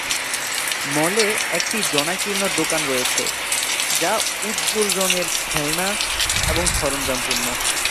মলে একটি জনাকীর্ণ দোকান রয়েছে যা উজ্জ্বল রঙের খেলনা এবং সরঞ্জামে পূর্ণ।